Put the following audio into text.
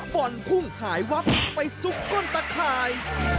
บ่อนพุ่งหายวับไปซุกก้นตะข่าย